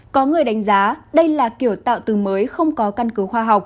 có người đánh giá đây là kiểu tạo từ mới không có căn cứ khoa học